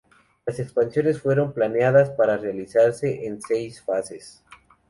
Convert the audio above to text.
Las expansiones fueron planeadas para realizarse en seis fases.